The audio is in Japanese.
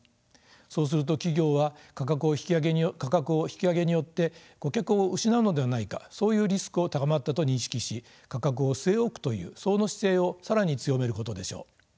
そうすると企業は価格を引き上げによって顧客を失うのではないかそういうリスクを高まったと認識し価格を据え置くというその姿勢を更に強めることでしょう。